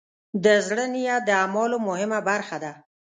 د زړۀ نیت د اعمالو مهمه برخه ده.